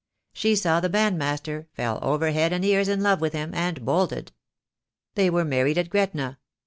She saw the bandmaster, fell over head and ears in love with him, and bolted. They were married at Gretna.